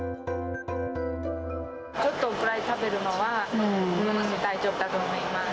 ちょっとぐらい食べるのは大丈夫だと思います。